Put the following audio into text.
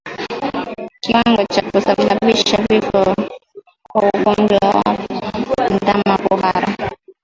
Kiwango cha kusababisha vifo kwa ugonjwa wa ndama kuhara